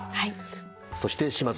そして島津さん。